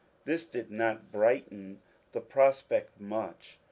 This did not brighten the pros pect much.